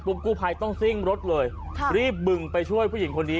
กู้ภัยต้องซิ่งรถเลยรีบบึงไปช่วยผู้หญิงคนนี้